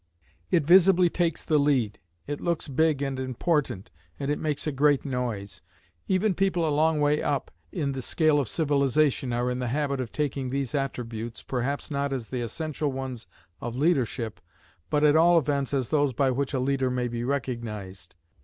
It visibly takes the lead, it looks big and important, and it makes a great noise. Even people a long way up in the scale of civilization are in the habit of taking these attributes, perhaps not as the essential ones of leadership, but at all events as those by which a leader may be recognized.